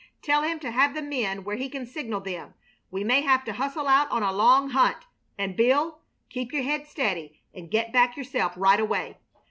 Tell him to have the men where he can signal them. We may have to hustle out on a long hunt; and, Bill, keep your head steady and get back yourself right away.